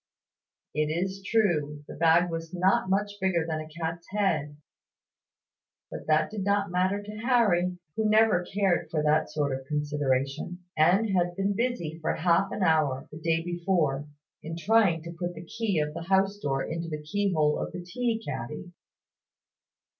It is true, the bag was not much bigger than a cat's head; but that did not matter to Harry, who never cared for that sort of consideration, and had been busy for half an hour, the day before, in trying to put the key of the house door into the key hole of the tea caddy.